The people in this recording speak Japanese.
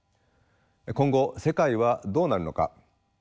今後世界はどうなるのか。